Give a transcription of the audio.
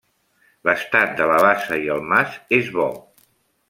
L'estat de la bassa i el mas és bo.